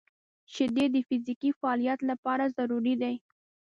• شیدې د فزیکي فعالیت لپاره ضروري دي.